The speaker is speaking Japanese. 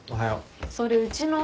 それうちの？